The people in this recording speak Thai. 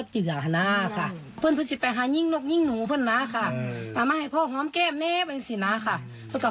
น้องมันมาซื้อไปหอมแก้มไหนตลาดก่อนนี่สิครับ